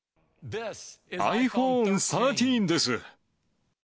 ｉＰｈｏｎｅ１３です。